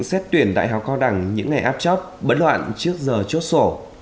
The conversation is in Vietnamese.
xét tuyển đại học cao đẳng những ngày áp chóp bất loạn trước giờ chốt sổ